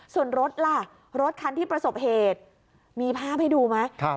ส่วนรถล่ะรถคันที่ประสบเหตุมีภาพให้ดูไหม